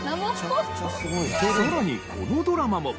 さらにこのドラマも。